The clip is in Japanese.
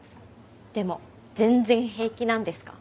でも全然平気なんですか？